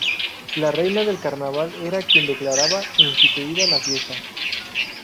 La reina del carnaval era quien declaraba instituida la fiesta.